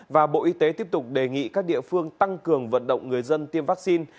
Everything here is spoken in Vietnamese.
và bộ y tế tiếp tục đề nghị các địa phương tăng cường vận động người dân tiêm vaccine